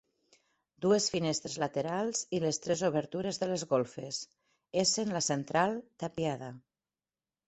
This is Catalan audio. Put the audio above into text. Dues finestres laterals i les tres obertures de les golfes, essent la central tapiada.